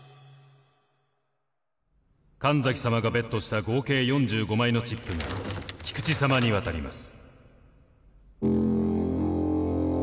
神崎さまがベットした合計４５枚のチップが菊地さまに渡ります。